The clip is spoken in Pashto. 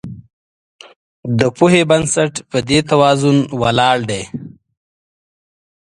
د پوهې بنسټ په دې توازن ولاړ دی.